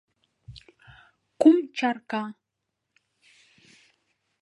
— Кум чарка!